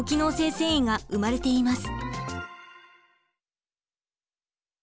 繊維が生まれています。